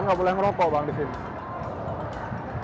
kan gak boleh ngerokok bang disini